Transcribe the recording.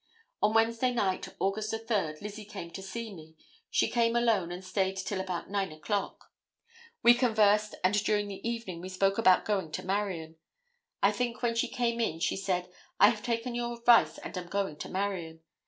On Wednesday night, Aug. 3, Lizzie came to see me; she came alone, and stayed till about 9 o'clock. We conversed and during the evening we spoke about going to Marion. I think when she came in she said, 'I have taken your advice, and am going to Marion.